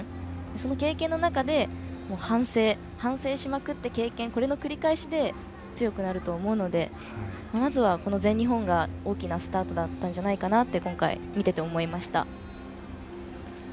その経験の中で反省しまくって経験、これの繰り返しで強くなると思うのでまずはこの全日本が大きなスタートだったんじゃないかなと今回、見てて思いました。